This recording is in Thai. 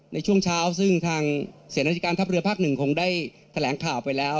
ในช่วงเช้าซึ่งทางเสียราชการทัพเรือภาคหนึ่งคงได้แถลงข่าวไปแล้ว